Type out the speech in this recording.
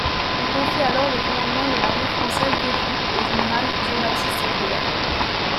Il confie alors le commandement de l'armée française d'Égypte au général Jean-Baptiste Kléber.